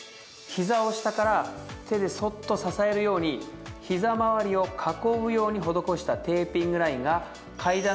ひざを下から手でそっと支えるようにひざまわりを囲うように施したテーピングラインが。